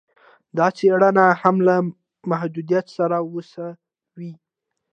دا څېړني هم له محدویت سره وسوې